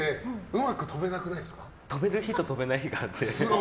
飛べる日と飛べない日があって。